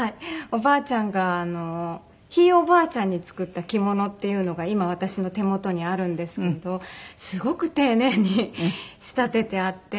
おばあちゃんがひいおばあちゃんに作った着物っていうのが今私の手元にあるんですけどすごく丁寧に仕立ててあって。